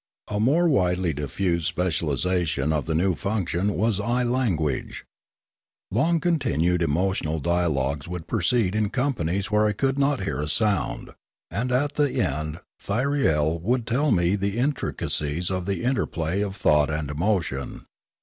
A more widely diffused specialisation of the new function was eye language. Long continued emotional dialogues would proceed in companies where I could not hear a sound, and at the end Thyriel would tell me the intricacies of the inter play of thought and emotion.